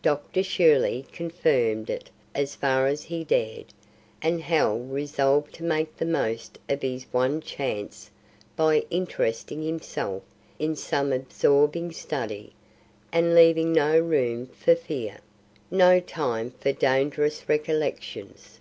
Dr. Shirley confirmed it as far as he dared; and Hal resolved to make the most of his one chance by interesting himself in some absorbing study, and leaving no room for fear, no time for dangerous recollections.